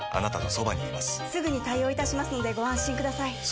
すぐに対応いたしますのでご安心ください